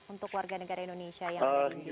untuk warga negara indonesia yang ada di india